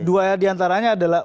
dua di antaranya adalah